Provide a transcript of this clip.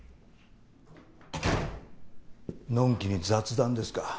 のんきに雑談ですか。